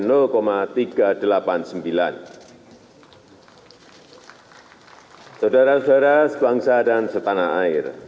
saudara saudara sebangsa dan setanah air